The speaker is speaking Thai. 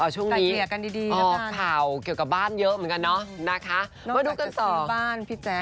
ช่วงนี้พอข่าวเกี่ยวกับบ้านเยอะเหมือนกันเนาะนะคะมาดูกันสองบ้านพี่แจ๊ค